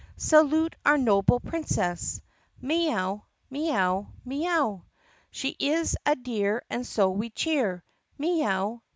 "Salute our noble Princess! Mee ow! Mee ow! Mee ow! She is a dear and so we cheer Mee ow!